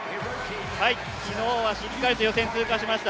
昨日はしっかりと予選通過しました。